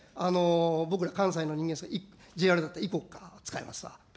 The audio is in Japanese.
僕ら関西の人間だったら、ＪＲだったらイコカを使いますか。